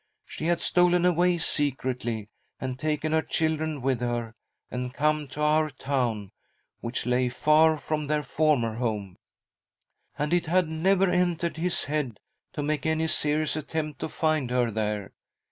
She had stolen away secretly, and taken her children with her, and come to our town, which lay far from their former home, and it had never entered his head to make any serious IL Ak M A CALL FROM THE PAST 95 attempt to find her there.